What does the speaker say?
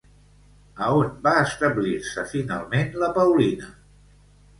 A on va establir-se finalment la Paulina?